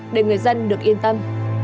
để người dân được yên tâm